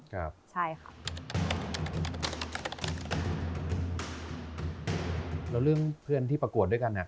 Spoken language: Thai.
แล้วเรื่องเพื่อนที่ประกวดด้วยกันอ่ะ